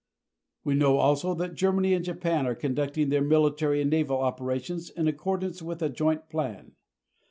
We know also that Germany and Japan are conducting their military and naval operations in accordance with a joint plan.